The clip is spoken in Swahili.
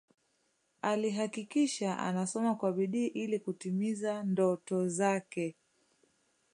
Alihakikisha anasoma kwa bidii ili kutimiza ndoto zake